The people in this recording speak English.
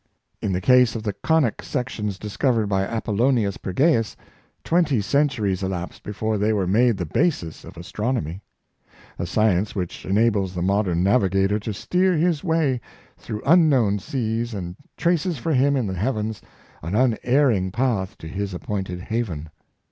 In the case of the conic sections discovered by Apollonius Pergaeus, twenty centuries elapsed before they were made the basis of astronomy — a science which enables the modern navigator to steer his way through un known seas and traces for him in the heavens an unerring path to his appointed haven.